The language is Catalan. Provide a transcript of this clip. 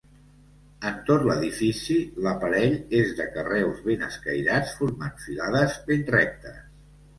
En tot l'edifici l'aparell és de carreus ben escairats formant filades ben rectes.